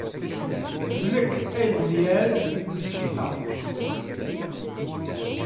D nekk ay d myall n tneččit-a.